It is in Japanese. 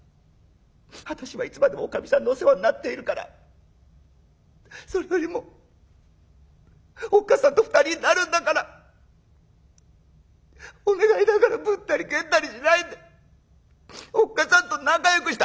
私はいつまでも女将さんのお世話になっているからそれよりもおっかさんと２人になるんだからお願いだからぶったり蹴ったりしないでおっかさんと仲よくして」。